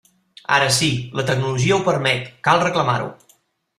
Ara sí, la tecnologia ho permet, cal reclamar-ho.